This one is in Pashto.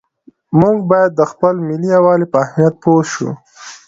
موږ باید د خپل ملي یووالي په اهمیت پوه شو.